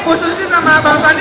bu susi sama bang fani